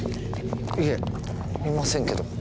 いえいませんけど。